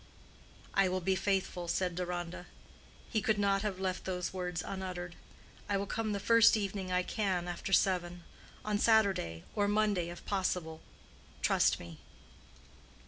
"I will be faithful," said Deronda—he could not have left those words unuttered. "I will come the first evening I can after seven: on Saturday or Monday, if possible. Trust me."